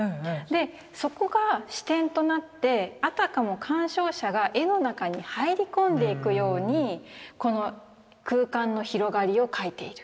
そこが始点となってあたかも鑑賞者が絵の中に入り込んでいくようにこの空間の広がりを描いている。